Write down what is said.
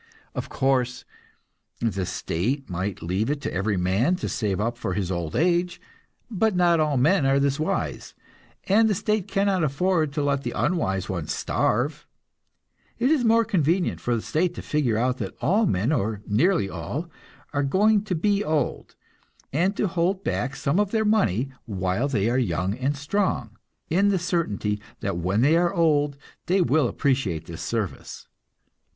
Of course, the state might leave it to every man to save up for his old age, but not all men are this wise, and the state cannot afford to let the unwise ones starve. It is more convenient for the state to figure that all men, or nearly all, are going to be old, and to hold back some of their money while they are young and strong, in the certainty that when they are old, they will appreciate this service.